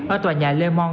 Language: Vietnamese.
ở tòa nhà le mon